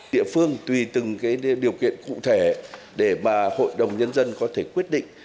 địa phương tùy từng cái điều kiện cụ thể để mà hội đồng nhân dân có thể quyết định